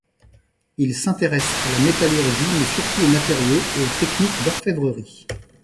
Il s'intéresse à la métallurgie mais surtout aux matériaux et aux techniques d'orfèvrerie.